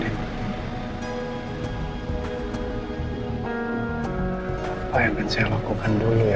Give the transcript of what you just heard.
apa yang akan saya lakukan dulu ya